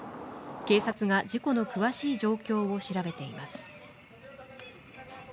警察が事故の詳しい状況を調べています。